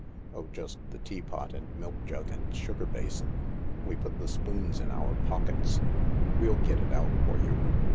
" Oh, just the teapot and milk jug and sugar basin. We put the spoons in our pockets." "We'll get it out for you.